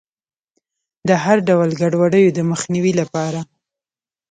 د هر ډول ګډوډیو د مخنیوي لپاره.